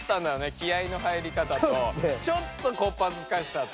気合いの入りかたとちょっとこっぱずかしさと。